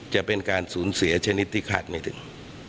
จะเป็นการสูญเสียชนิดที่คาดไม่ถึง